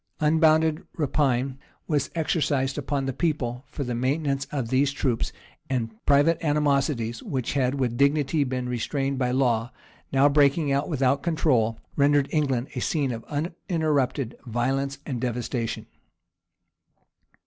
Unbounded rapine was exercised upon the people for the maintenance of these troops; and private animosities, which had with difficulty been restrained by law, now breaking out without control, rendered England a scene of uninterrupted violence and devastation.